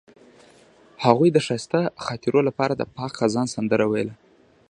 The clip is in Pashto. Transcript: هغې د ښایسته خاطرو لپاره د پاک خزان سندره ویله.